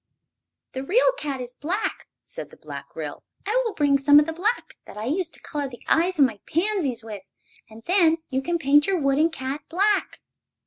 "The real cat is black," said the Black Ryl; "I will bring some of the black that I use to color the eyes of my pansies with, and then you can paint your wooden cat black."